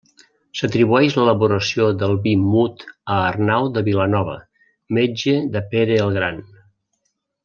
S'atribueix l'elaboració del vi mut a Arnau de Vilanova, metge de Pere el Gran.